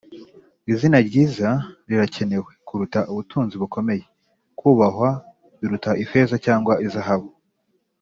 izina ryiza rirakenewe kuruta ubutunzi bukomeye; kubahwa biruta ifeza cyangwa zahabu